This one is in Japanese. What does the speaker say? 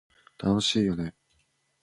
楽しいよね